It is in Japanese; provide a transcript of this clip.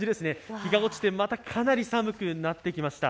日が落ちて、またかなり寒くなってきました。